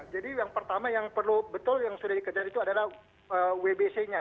jadi yang pertama yang perlu betul yang sudah dikejar itu adalah wbc nya